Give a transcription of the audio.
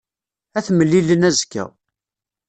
Ad t-mlilen azekka.